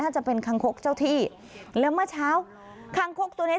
จะเป็นคางคกเจ้าที่แล้วเมื่อเช้าคางคกตัวเนี้ย